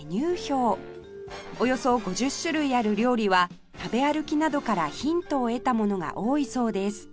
およそ５０種類ある料理は食べ歩きなどからヒントを得たものが多いそうです